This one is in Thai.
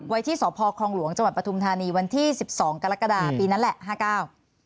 ไว้ที่สพครองหลวงจปทุมธานีวันที่๑๒กรกฎาปีนั้นแหละ๕๙